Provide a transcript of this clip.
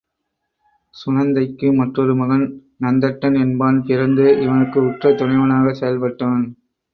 சுநந்தைக்கு மற்றொரு மகன் நந்தட்டன் என்பான் பிறந்து இவனுக்கு உற்ற துணைவனாகச் செயல்பட்டான்.